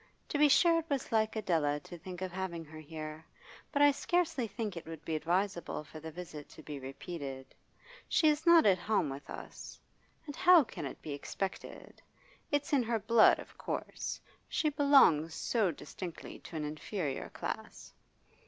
To be sure it was like Adela to think of having her here, but I scarcely think it would be advisable for the visit to be repeated. She is not at home with us. And how can it be expected? It's in her blood, of course; she belongs so distinctly to an inferior class.